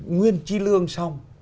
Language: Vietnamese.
nguyên chi lương xong